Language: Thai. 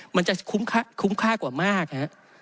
มันจะคุ้มค่ากว่ามากฮะ